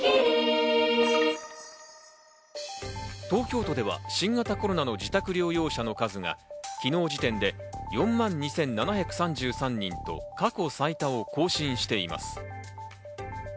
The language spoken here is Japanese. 東京都では新型コロナの自宅療養所の数が昨日時点で４万２７３３人と過去最多を更新しています。